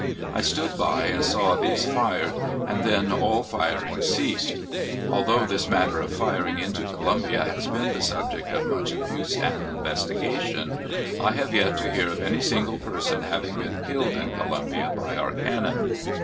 I stood by and saw these fired, and then all firing ceased. Although this matter of firing into Columbia has been the subject of much abuse and investigation, I have yet to hear of any single person having been killed in Columbia by our cannon.